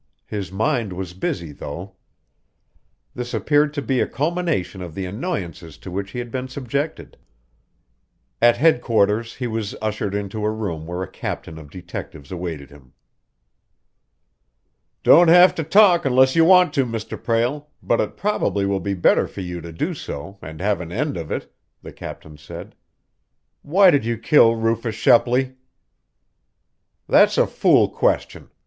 His mind was busy, though. This appeared to be a culmination of the annoyances to which he had been subjected. At headquarters he was ushered into a room where a captain of detectives awaited him. "Don't have to talk unless you want to, Mr. Prale, but it probably will be better for you to do so, and have an end of it," the captain said. "Why did you kill Rufus Shepley?" "That's a fool question.